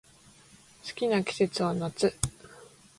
好きな季節は夏